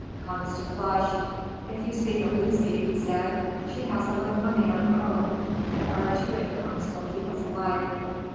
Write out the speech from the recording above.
Conniston flushed. "If you speak of Lucy," he said, "she has a little money of her own, and our two incomes will keep us alive."